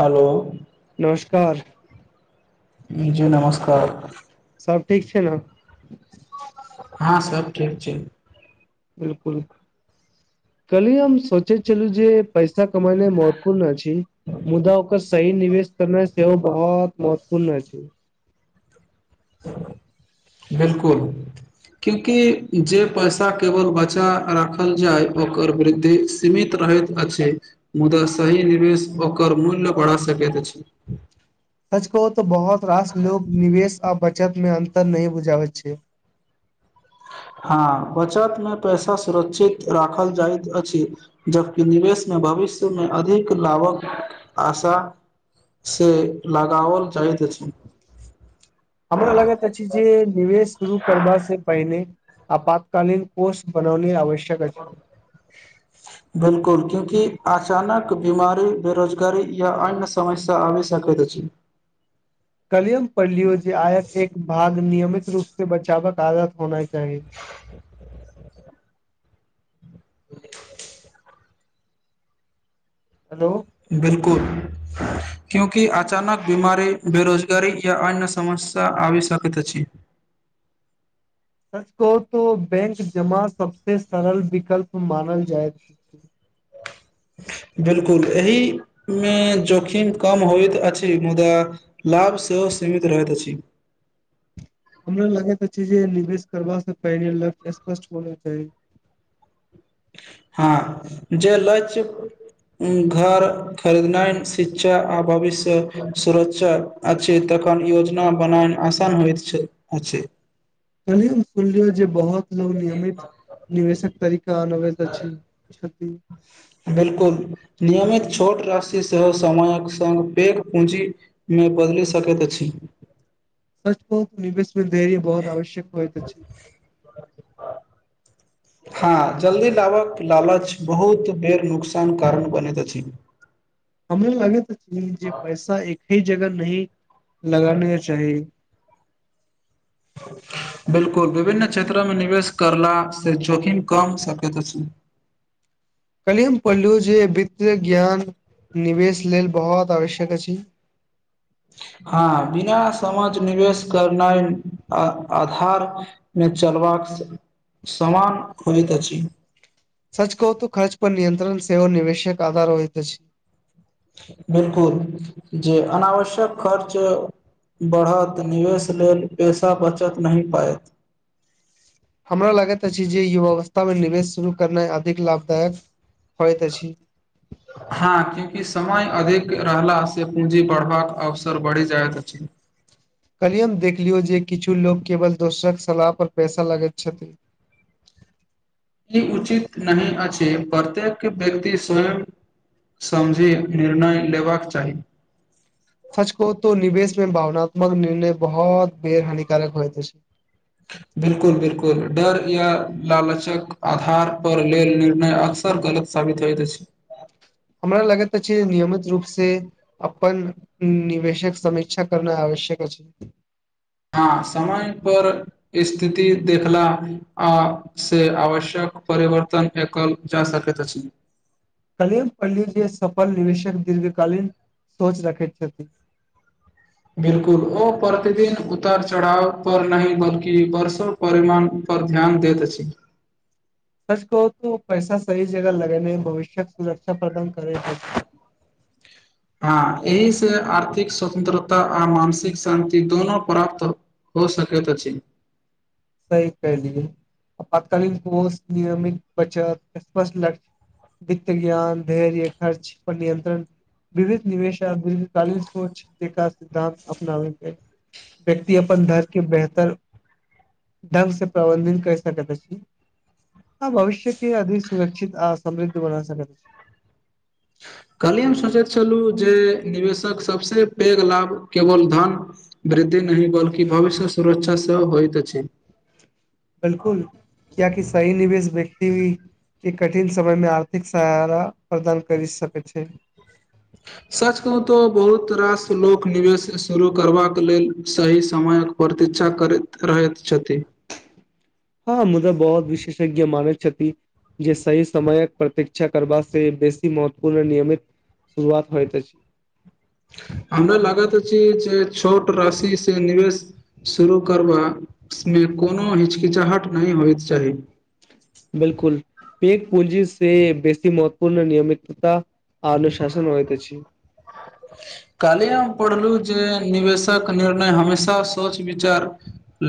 Hello. नमस्कार। जी नमस्कार। सब ठीक छै ने? हां सब ठीक छै। बिलकुल, काल्हि हम सोचै छलहुं जे पैसा कमेनाइ महत्वपूर्ण अछि मुदा ओकर सही निवेश करनाइ सेहो बहुत महत्वपूर्ण अछि। बिलकुल, कियाकि जे पैसा केवल बचाके राखल जाय ओकर वृद्धि सीमित रहैत अछि, मुदा सही निवेश ओकर मूल्य बढ़ा सकैत अछि। स्कोप त बहुत रास लोक निवेश आ बचत मे अन्तर नहि बुझायत छै। हां बचतमे पैसा सुरक्षित राखल जाइत अछि जबकि निवेशमे भविष्यमे अधिक लाभक आशा से लगाओल जाइत अछि। हमरा लागैत अछि जे निवेश शुरू करबास से पहिने आपातकालीन कोष बनौने आबै [unintelligible] क्यूँकि अचानक बीमारी, बेरोजगारी या अन्य समस्या आबि सकैत अछि काल्हिये हम पढ़लियै जे आयक एक भाग नियमित रूप से बचावक आदत होना चाही। हेलो बिलकुल। कियेकि अचानक बीमारु, बेरोजगारी या अन्य समस्या आबी सकैत अछि। परितोष। त बैंक जमा सब से सरल विकल्प मानल जाइत अछि। बिल्कुल, एहिमे जोखिम कम होइत अछि मुदा लाभ सेहो सीमित रहैत अछि। हमरा लगे छै जे निवेश करबा से पहिने लक्ष्य स्पष्ट होना चाही। हँ जे लक्ष्य घर खरीदनाइ, शिक्षा आ भविष्य सुरक्षा अछि तखन योजना बनायब आसान होइत छै अछि। काल्हिये हम सुनलियै जे बहुत लोक नियमित निवेशक तरीका अपनवैत अछि, छथि। बिलकुल नियमित छोट राशि सेहो समयक संग पैघ पूँजीमे बदलि सकैत अछि। सर् बहुत बे [unintelligible] देरी बहुत आवश्यक होइत अछि। हान, जल्दी लाभक लालच बहुत बेर नुकसानक कारण बनैत अछि। हमरा लागैत जे पैसा एके जगह नहि लगाना चाही। बिल्कुल, विभिन्न क्षेत्रमे निवेश करलासँ जोखिम कम क सकैत अछि। काल्हिये हम पढ़लहुं जे वित्तीय ज्ञान निवेश लेल बहुत आवश्यक अछि। हां, बिना समझ निवेश करनाइ अन्हारमे चलबाक समान होइत अछि। सच कहु त खर्च पर नियंत्रण सेहो निवेशक आधार होइत अछि। बिलकुल, जे अनावश्यक खर्च बढ़त त निवेश लेल पैेसा बचा नहि पायब। हमरा लागैत अछि जे युवा अवस्था मे निवेश शुरू करनाइ अधिक लाभदायक होयत अछि। हां, कियाकि समय अधिक रहलासँ पूँजी बढ़बाक अवसर बढ़ि जाइत अछि। काल्हिये हम देखलियै जे किछु लोक केवल दोसरक सलाह पर पैसा लागैत छथि। ई उचित नहि अछि, प्रत्येक व्यक्ति के स्वयं समझिके निर्णय लेबाक चाही। सच कहु त निवेश में भावनात्मक निर्णय बहुत बेर हानिकारक होइत अछि। बिलकुल बिलकुल डर या लालचक आधार पर लेल निर्णय अकसर गलत साबित होइत अईछ। [unintelligible] हमरा लगत तऽ छै नियमित रूप से। से अपन निवेशक समी्षा करना आवश्यक अछि अईछ। [unintelligible] हँ समयपर स्थिति देखला से आवश्यक परिवर्तन देखल जा सकैत अछि। [unintelligible] कलम पल्लूज सफल निवेशक दीर्घकालीन सोच रखैत छथि। [inaudible] बिलकुल ओ प्रतिदिन उतर चढ़ाव पर नहि बल्कि वर्षो परिमाण पर ध्यान दैत अछि। [unintelligible] सच कहु त पैसा सही जगह लगेनाइ भविष्यक सुरक्षा प्रदान करैत अति। हां एहिसे आर्थिक स्वतन्त्रता आ मानसिक शान्ति दुनू प्राप्त हो सकैत अछि। सही कहलियै, आपातकालीन कोष नियमित बचत वित्त ज्ञान, धैर्य, खर्च पर नियंत्रण विविध निवेश आ दीर्घ कालीन सोच सिद्धांत अपनावे छै व्यक्ति अपन धर के बेहतर ढंग से प्रबंधन कर सकैत अछि आ भविष्य के अधिक सुरक्षित आ समृद्ध बना सकैत अछि। काल्हिये हम सोचैत छलहुँ जे निवेशक सभसँ पैघ लाभ केवल धन वृद्धि नहि बल्कि भविष्य सुरक्षा सेहो होइत अछि। बिलकुल कियक सही निवेश व्यक्ति के कठिन समयमे आर्थिक सहारा प्रदान कर सकेत छै। [unintelligible] सच कहू तो बहुत रास लोक निवेश शुरू करबाक लेल सही समयक प्रतीक्षा करैत रहैत छथिन। [unintelligible] हँ मुदा बहुत विशेष। मान जे सी समयक प्रत्षा कर से बेसी महत्वपूर्ण नियमित शुरुआत होइत छै। [unintelligible] [unintelligible] हमरा लागा तऽ छी जे। [unintelligible] छोट राशिसँ निवेश शुरू करबामे कोनो हिचकिचाहट नहि होइत चाही। [unintelligible] बिलकुल पक पुलजी से बेसी महत्वपूर्ण नियमितता आ अनुशासन होइत अईछ। [unintelligible] काल्हि हम पढ़लहुँ जे निवेशक निर्णय हमेशा सोच विचार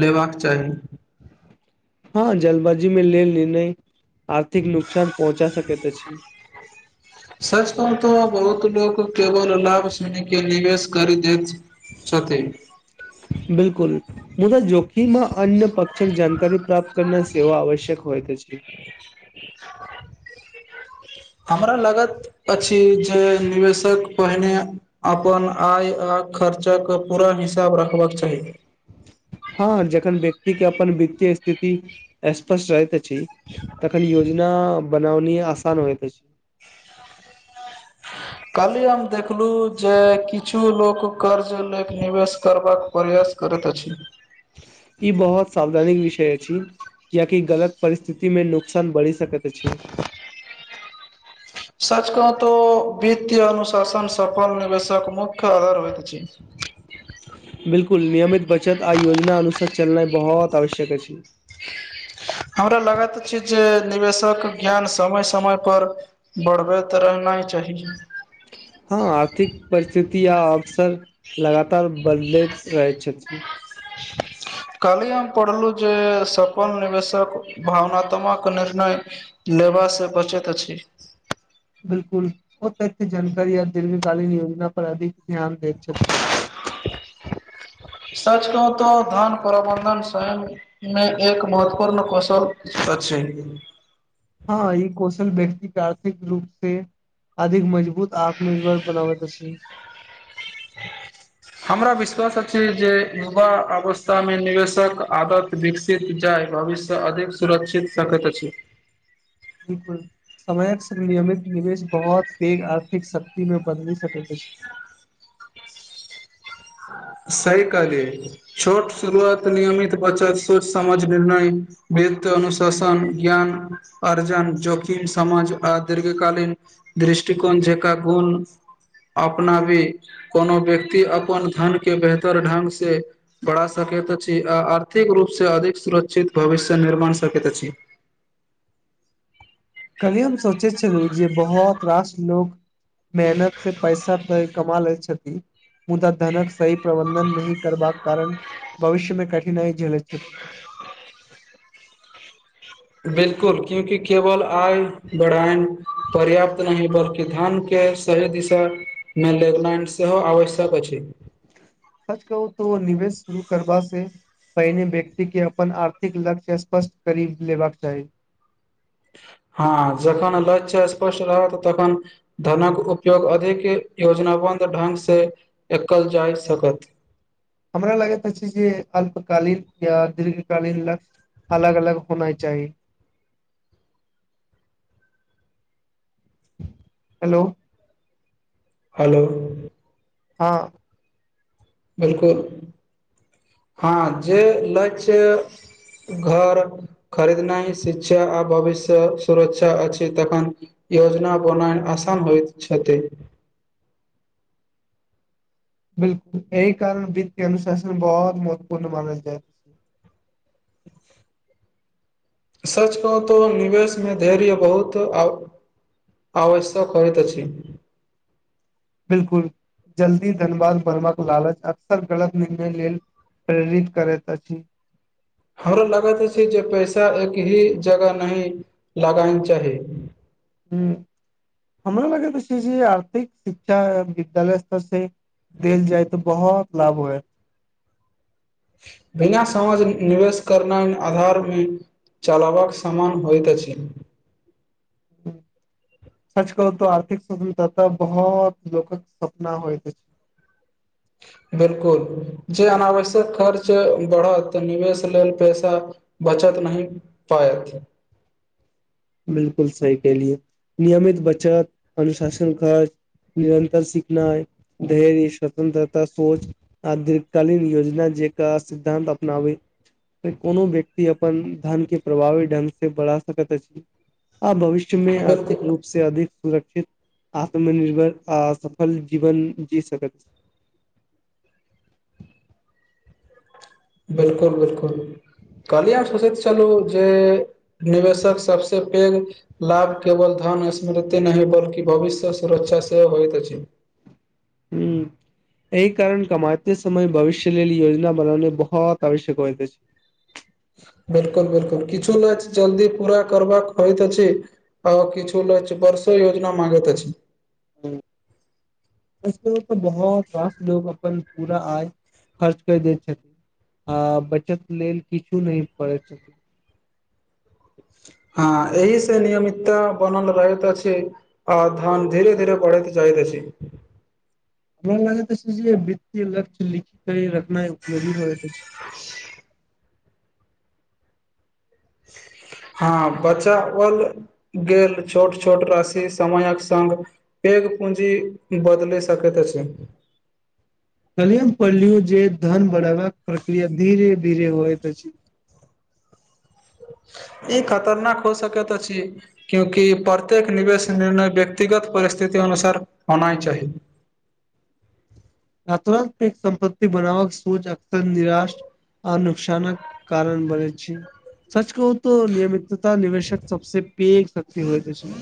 लेबाक चाही। [unintelligible] ह जलबाजी मे लेल निर्णय। [unintelligible] आर्थिक नुकसान पहुँचा सके। [unintelligible] दछि। [unintelligible] सच त बहुत लोको केवल लाभ सुन के निवेश करी दैत छथिन। [unintelligible] बिलकुल मुदाऽ जोखिममे अन्य प्षक जानकारी प्राप्त करना सेव आवश्यक होइ त छै। [unintelligible] हमरा लागत अछि जे निवेशक पहिने अपन आय आ खर्चाके पूरा हिसाब रखबाक चाही। [unintelligible] हँ जखन व्यक्तिक के अपन वित्तीय स्थिति स्पष्ट रहैत अछि तखन योजना बनाउनी आसान होइत अछि। [unintelligible] काली हम देखलहु जे किछु लोक कर्ज ले क निवेश करबाक प्रयास करैत अछि। [unintelligible] ई बहुत सावधानीक विषय अछि कियाकि गलत परिस्थितिमे नुकसान बढ़ि सकैत अछि। [unintelligible] सच क त वित्त अनुशासन सफल निवेशक मुख्य आधार होइत छै। [unintelligible] [unintelligible] बिल्कुल नियमित बच। चत आ योजना अनुसार। [unintelligible] चलनाइ बहोत आवश्यक अछि। [unintelligible] हमरा लागै त छै जे निवेशक ज्ञान समय -समय पर बढ़बैत रहना चाही। [unintelligible] हां आर्थिक। [unintelligible] परिस्थिति या अवसर लगातार। बदलैत रहै छथिन। [unintelligible] कल्हि हम पढ़लौ जे सफल निवेशक भावनात्मक निर्णय लेबा से बचैत अछि। [unintelligible] बिल्कुल ओ तै एते जानकारी आर दीर्घकालीन योजना पर अधिक। [unintelligible] ध्यान दै छथिन। [unintelligible] सच कहु तो धन प्रबंधन स्वयं मे एक महत्वपूर्ण कौशल अछि। [unintelligible] हां ई कौशल व्यक्ति के आर्थिक रूप से अधिक मजबूत आत्मनिर्भर बनाबैत अछि। [unintelligible] हमरा विश्वास अछि जे युवा अवस्थामे निवेशक आदत विकसित जाय भविष्य अधिक सुरक्षित सकैत अछि। [unintelligible] बिल्कुल समयक संग नियमित निवेश बहुत पैघ आर्थिक शक्ति मे बदलि सकैत अछि। [unintelligible] सही कहलियै छोट शुरुआत नियमित बचत सोच समझ निर्णय वित्त अनुशासन ज्ञान अर्जन जोखिम समाज आ दीर्घकालीन दृष्टिकोण जैका गुण अपनाबी कोनो व्यक्ति अपन। धनके बेहतर ढंग से बढ़ा सकैत अछि आ आर्थिक रूप से अधिक सुरक्षित भविष्य निर्माण सकैत अछि। [unintelligible] कल्हि हम सोचै छलहुँ जे बहोत रास लोक। [unintelligible] [unintelligible] मेहनत से पैसा तै कमा लै। छथि मुदा धनक सही प्रबन्धन नहि करबाक कारण भविष्यमे कठिनाइ झेलैत छथि। [unintelligible] बिल्कुल क्यूकि केवल आय बढ़ाएन पर्याप्त नहि बल्कि धन के सही दिशामे [unintelligible] सेहो आवश्यक अछि। सच कहू तो निवेश शुरू करबा से पहिने व्यक्ति के अपन आर्थिक लक्ष्य स्पष्ट करि लेबाक चाही। हां जखन लक्ष्य स्पष्ट रहत तखन धनक उपयोग अधिक योजनाबद्ध ढ़ंग एकल जाय सकत। [unintelligible] हमरा लगैत अछि जे अल्पकालीन या दीर्घकालीन लक्ष्य अलग अलग होनाय चाही। [unintelligible] हेलो। [unintelligible] हलो। [unintelligible] हां। [unintelligible] बिल्कुल हां जे लक्ष्य घर खरीदनाय शिक्षा आ भविष्य सुरक्षा अछि तखन योजना होनाय आसान होएत छथि। [unintelligible] बिल्कुल एहि कारण वित्त अनुशासन बहोत महत्वपूर्ण मानल जाए। [unintelligible] सच कहू तऽ निवेशमे धैर्य बहुत आव आवश्यक होइत अछि। [unintelligible] बिल्कुल जल्दी धनवान बनबाक लालच अक्सर गलत निर्णय लेल प्रेरित करैत अछि। [unintelligible] हमरा लगैत अछि जे पैसा एक ही जगह नहि लगाना चाही। [unintelligible] हु हमरो लगैत अछि जे आर्थिक शिक्षा विद्यालय स्तर से देल जाय तऽ बहोत लाभ होय। [unintelligible] बिना समझ निवेश करनाइ [unintelligible] चलाबक समान होइत अछि। [unintelligible] उम्म सच कहू तऽ आर्थिक स्वतन्त्रता बहोत लोकक सपना होएत अछि। [unintelligible] बिल्कुल जे अनावश्यक खर्च बढ़त त निवेश लेल पैसा बचत नहि पाएत। [unintelligible] बिल्कुल सही केेलिए नियमित बचत अनुशासन खर्च निरन्तर सिखनाय धैर्य स्वतंत्रता सोच आ दीर्घकालीन योजना जेका सिद्धान्त अपनाबी कोनो व्यक्ति अपन धन के प्रभावी ढंग से बढ़ा सकैत अछि। आ भविष्य मे आर्थिक बिलकुल रूप से अधिक। सुरक्षित आत्मनिर्भर आ सफल जीवन जी सकैत। [unintelligible] बिल्कुल बिल्कुल कहलियै हम सोचैत छलहु जे निवेशक सबसे पैघ लाभ केवल धन स्मृति नहि बल्कि भविष्य सुरक्षा सेहो होइत अछि। [unintelligible] हु एहि कारण कमाते समय भविष्य लेल योजना बनानाय बहोत आवश्यक होएत अछि। [unintelligible] बिल्कुल- बिल्कुल किछु लै छै जल्दी पूरा करबाक होइत अछि आ किछु लै छै बर्षो योजना मागैत अछि। [unintelligible] [unintelligible] हुं किछ लोक के बहोत रास लोक अपन पूरा आय खर्च कर दै छथिन आ बचत लेल किछु नहि पड़े छथिन। हां एहि से नियमितता बनल रहैत अछि आ धन धीरे धीरे बढ़ैत जाएत अछि। [unintelligible] हमरा लागैत आछि जे वित्तीय लक्ष्य लिखी के रखनाय उपयोगी होएत अछि। [unintelligible] हां बचाओल गेल छोट -छोट राशि समयक संग पेघ पूँजी बदलै सकैत अछि। [unintelligible] पहलुक पाइ लियो जे धन बढ़ैबाक प्रक्रिया धीरे- धीरे होएत अछि। ई खतरनाक हौ सकैत अछि क्यूँकि प्रत्येक निवेश निर्णय व्यक्तिगत परिस्थिति अनुसार होनाय चाही। [unintelligible] आ तुरंत पैघ संपत्ति बनाबक सोच अक्सर निराश आ नुकसानक कारण बनेै छै सच कहू। त नियमितता निवेशक सबसे पैघ शक्ति होएत अछि। [unintelligible]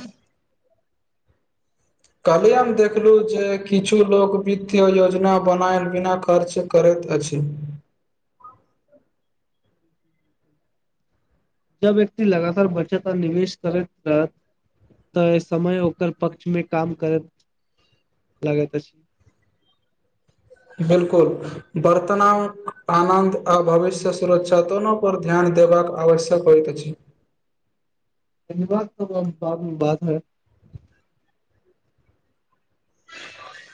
कल्हि हम देखलु जे किछु लोक वित्तीय योजना बनायल बिना खर्च करैत अछि। [unintelligible] जब व्यक्ति लगातार बचत आ निवेश करैत रहत तै समय ओकर पक्ष मे काम करैत लागैत अछि। [unintelligible] बिल्कुल बर्तनांक आनन्द आ भविष्य सुरक्षा दोनो पर ध्यान देबाक आवश्यक होइत अछि। [unintelligible] धन्यवाद तब अब बाद में बात हैत। [unintelligible]